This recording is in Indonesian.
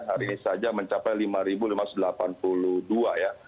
hari ini saja mencapai lima lima ratus delapan puluh dua ya